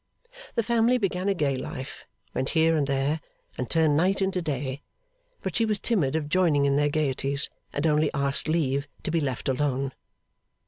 The family began a gay life, went here and there, and turned night into day; but she was timid of joining in their gaieties, and only asked leave to be left alone.